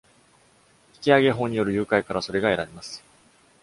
引上法による誘拐からそれが得られます。